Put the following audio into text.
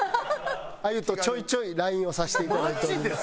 あゆとちょいちょいＬＩＮＥをさせていただいております。